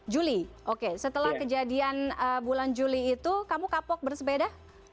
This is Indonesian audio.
juli oke setelah kejadian bulan juli itu kamu kapok bersepeda